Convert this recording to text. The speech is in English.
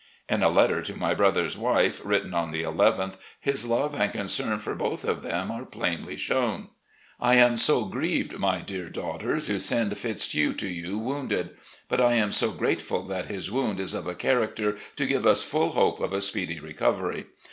..." In a letter to my brother's wife, written on the nth, his love and concern for both of them are plainly shown :" I am so grieved, my dear daughter, to send Fitzhugh to you wounded. But I am so grateful that his wound is of a character to give us full hope of a speedy recovery.